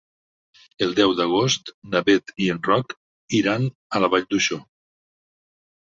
El deu d'agost na Beth i en Roc iran a la Vall d'Uixó.